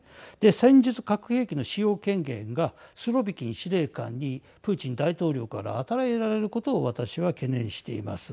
戦術核兵器の使用権限がスロビキン司令官にプーチン大統領から与えられることを私は懸念しています。